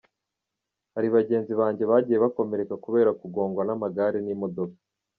Hari bagenzi banjye bagiye bakomereka kubera kugongwa n’amagare n’imodoka.